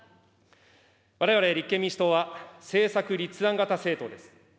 われわれ立憲民主党は、政策立案型政党です。